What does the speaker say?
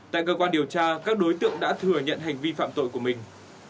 tại cơ quan điều tra các đối tượng đã thừa nhận hành vi phạm tội của mình